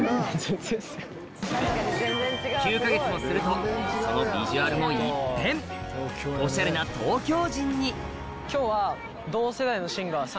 ９か月もするとそのビジュアルも一変おしゃれな東京人に今日は。